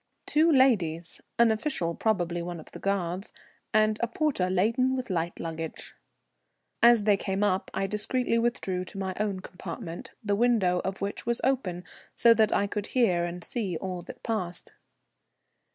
Two ladies, an official, probably one of the guards, and a porter laden with light luggage. As they came up I discreetly withdrew to my own compartment, the window of which was open, so that I could hear and see all that passed.